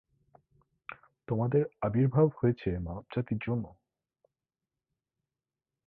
তোমাদের আবির্ভাব হয়েছে মানবজাতির জন্য।